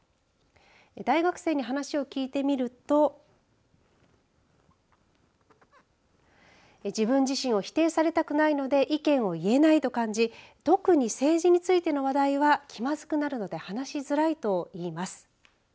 大学生に話を聞いてみると自分自身を否定されたくないので意見を言えないと感じ特に、政治についての話題は気まずくなるので話しづらいといいます。